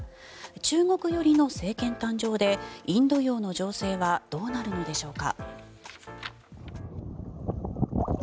中国寄りの政権誕生でインド洋の情勢はどうなるのでしょうか。